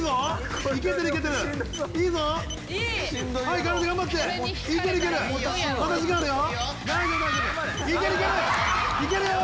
いけるよ。